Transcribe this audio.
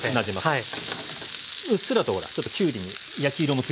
はい。